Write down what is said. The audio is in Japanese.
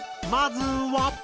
まずは。